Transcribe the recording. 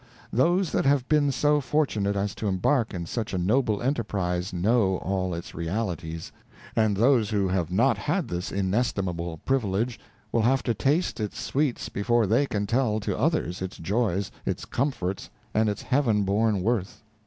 Those that have been so fortunate as to embark in such a noble enterprise know all its realities; and those who have not had this inestimable privilege will have to taste its sweets before they can tell to others its joys, its comforts, and its Heaven born worth.